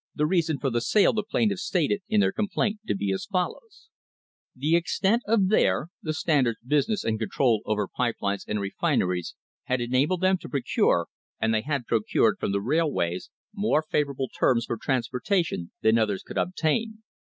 The reason for the sale the plaintiffs stated in their complaint to be as follows: The extent of their (the Standard's) business and control over pipe lines and refineries had enabled them to procure, and they had procured from the railways, more favour able terms for transportation than others could obtain.